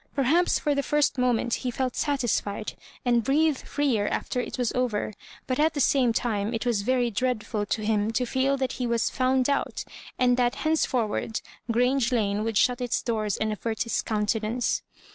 Perhaps for the first moment he felt satisfied, and breathed freer after it was over; but at the same time it was very dreadftil to him to feel that he was found out, and that henceforward Grange Lane would shut its doors and avert its countenance.